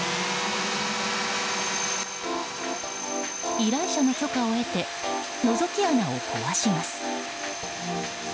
依頼者の許可を得てのぞき穴を壊します。